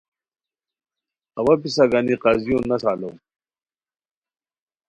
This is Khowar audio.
اوا پِسہ گانی قاضیو نسہ الوم